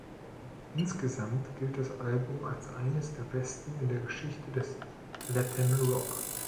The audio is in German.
Insgesamt gilt das Album als eines der besten in der Geschichte des Latin Rock.